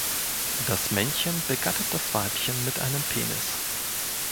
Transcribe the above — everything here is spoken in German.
Das Männchen begattet das Weibchen mit einem Penis.